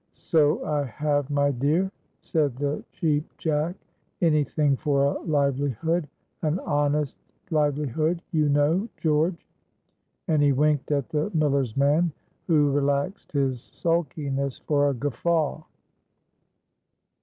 "So I have, my dear," said the Cheap Jack; "any thing for a livelihood; an honest livelihood, you know, George." And he winked at the miller's man, who relaxed his sulkiness for a guffaw.